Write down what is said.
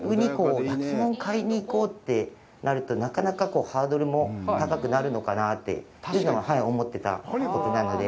焼き物を買いに行こうとなると、なかなかハードルも高くなるのかなというのは思ってたことなので。